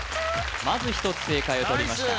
まず１つ正解をとりました